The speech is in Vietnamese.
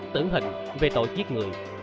tưởng hình về tội giết người